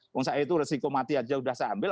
misalnya itu resiko mati saja sudah saya ambil